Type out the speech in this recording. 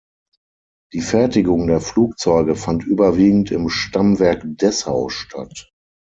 Die Fertigung der Flugzeuge fand überwiegend im Stammwerk Dessau statt.